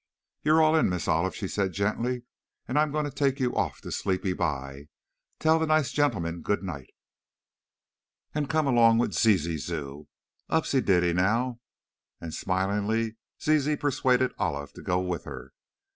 "You're all in, Miss Olive," she said, gently, "and I'm going to take you off to sleepy by. Tell the nice gentlemen good night, and come along with your Zizi zoo. Upsy diddy, now," and smilingly, Zizi persuaded Olive to go with her.